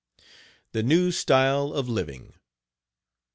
THE NEW STYLE OF LIVING.